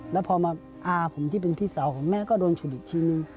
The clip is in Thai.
แล้วพอมาอาผมที่เป็นพี่สาวของแม่ก็โดนฉุดอีกทีนึง